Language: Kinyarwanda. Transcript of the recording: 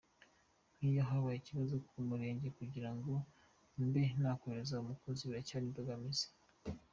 Nk’iyo habaye ikibazo ku murenge kugira ngo mbe nakoherezayo umukozi, biracyari imbogamizi.